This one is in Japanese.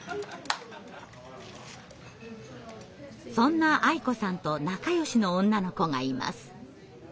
そんなあい子さんと仲よしの女の子がいます。